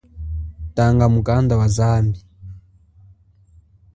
Tanga mukanda wa zambi.